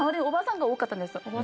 おばさんが多かったんですよ。